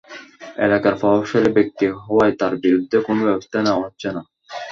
এলাকার প্রভাবশালী ব্যক্তি হওয়ায় তাঁর বিরুদ্ধে কোনো ব্যবস্থা নেওয়া হচ্ছে না।